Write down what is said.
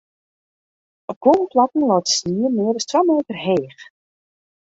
Op guon plakken leit de snie mear as twa meter heech.